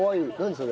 それ。